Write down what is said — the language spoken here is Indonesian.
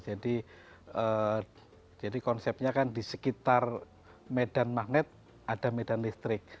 jadi konsepnya kan di sekitar medan magnet ada medan listrik